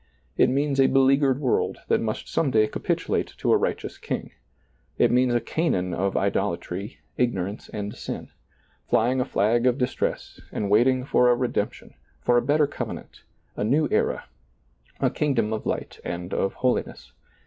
It means a beleaguered world that must some day capitulate to a righteous king ; it means a Canaan of idolatry, ignorance, and sin, flying a flag of distress and waiting for a redemp tion, for a better covenant, a new era, a kingdom of light and of holiness.